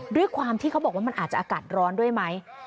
ด้วยความที่เขาบอกว่ามันอาจจะอากาศร้อนด้วยไหม